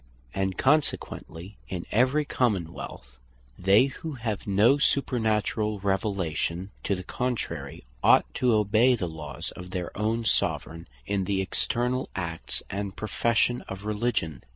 And Consequently in every Common wealth, they who have no supernaturall Revelation to the contrary, ought to obey the laws of their own Soveraign, in the externall acts and profession of Religion.